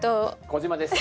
小島です。